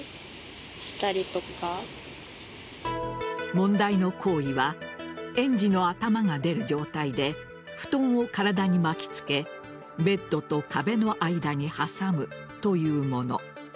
問題の行為は園児の頭が出る状態で布団を体に巻き付けベッドと壁の間に挟むというもの。